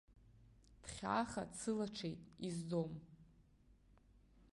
Дхьааха дсылаҽит, изӡом.